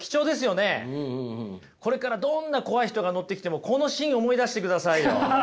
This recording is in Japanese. これからどんな怖い人が乗ってきてもこのシーン思い出してくださいよ。